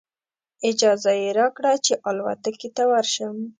اجازه یې راکړه چې الوتکې ته ورشم.